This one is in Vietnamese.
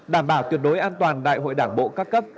đảm bảo tuyệt đối an toàn đại hội đảng bộ các cấp